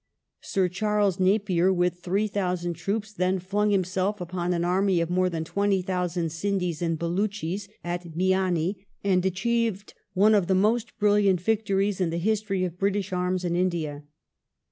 Sir Charles Napier with 3,000 troops then flung him self upon an array of more than 20,000 Sindhis and Baluchis at Miani, and achieved one of the most brilliant victories in the history of British ai ms in India.